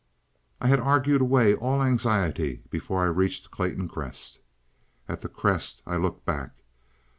I had argued away all anxiety before I reached Clayton Crest. At the Crest I looked back.